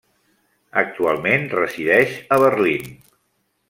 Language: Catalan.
Actualment resideix a Berlín.